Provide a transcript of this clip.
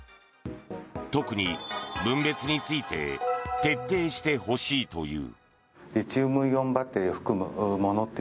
特に分別について徹底してほしいという。